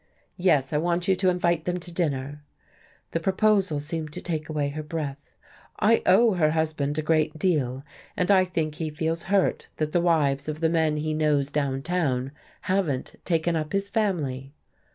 "Yes, I want you to invite them to dinner." The proposal seemed to take away her breath. "I owe her husband a great deal, and I think he feels hurt that the wives of the men he knows down town haven't taken up his family."